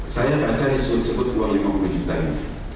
saya baca disebut sebut uang lima puluh juta ini